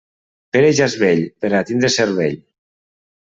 Pere ja és vell per a tindre cervell.